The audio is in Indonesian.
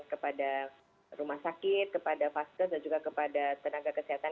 kepada rumah sakit kepada vaskes dan juga kepada tenaga kesehatan